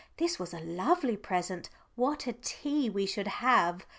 This was a lovely present. What a tea we should have!